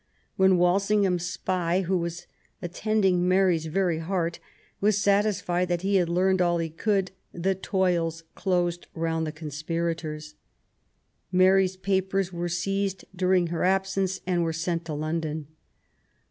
When Wal singham's spy, who was "attending Mary's very heart," was satisfied that he had learned all he could, the toils closed round the conspirators. Mary's papers were seized during her absence and were sent to London.